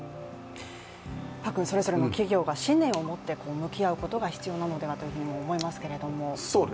それぞれの企業が信念を持って向き合うことが必要なのではと思いますけども。